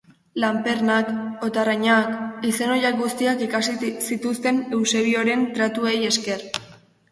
Lanpernak, otarrainak, izen horiek guztiak ikasi zituzten Eusebioren tratuei esker.